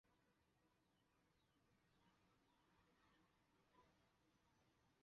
千足凤凰螺为凤凰螺科蜘蛛螺属下的一个种。